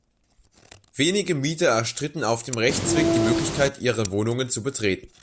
Wenige Mieter erstritten auf dem Rechtsweg die Möglichkeit, ihre Wohnungen zu betreten.